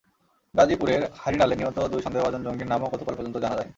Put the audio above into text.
গাজীপুরের হাঁড়িনালে নিহত দুই সন্দেহভাজন জঙ্গির নামও গতকাল পর্যন্ত জানা যায়নি।